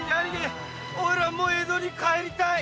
おいらもう江戸へ帰りたい。